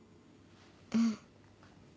うん。